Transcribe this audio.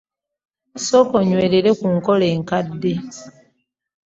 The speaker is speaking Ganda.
Sooka onywerere ku nkola enkadde.